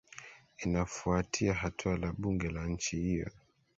inafuatia hatua la bunge la nchi hiyo